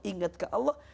ingat ke allah